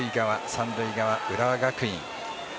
三塁側、浦和学院。